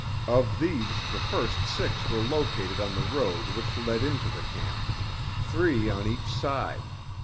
Of these the first six were located on the road which led into the camp, three on each side.